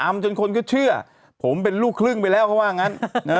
จนคนก็เชื่อผมเป็นลูกครึ่งไปแล้วเขาว่างั้น